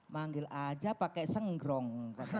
manggil aja pakai senggrong